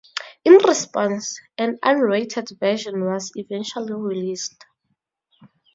In response, an unrated version was eventually released.